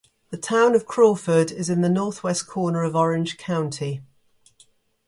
The Town of Crawford is in the northwest corner of Orange County.